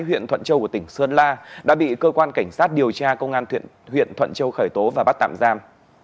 huyện thuận châu của tỉnh sơn la đã bị cơ quan cảnh sát điều tra công an huyện thuận châu khởi tố và bắt tạm giam